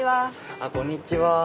あこんにちは。